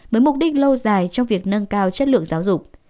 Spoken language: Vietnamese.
với mục đích lâu dài trong việc nâng cao chất lượng giáo dục